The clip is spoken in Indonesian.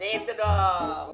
ya bener dong